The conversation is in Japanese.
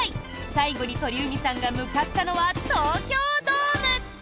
最後に鳥海さんが向かったのは東京ドーム！